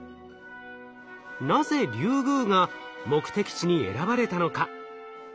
なぜリュウグウが目的地に選ばれたのか？